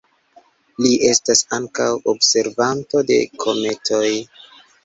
Li estas ankaŭ observanto de kometoj.